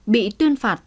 bị tuyên phạt tử hình